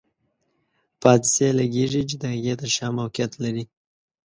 په عدسیې لګیږي چې د هغې تر شا موقعیت لري.